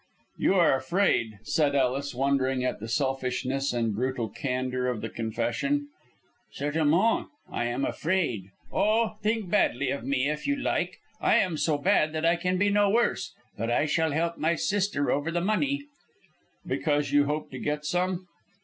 "You are afraid," said Ellis, wondering at the selfishness and brutal candour of the confession. "Certainement! I am afraid. Oh, think badly of me if you like. I am so bad that I can be no worse. But I shall help my sister over the money." "Because you hope to get some?"